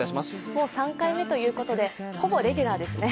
もう３回目ということで、ほぼレギュラーですね。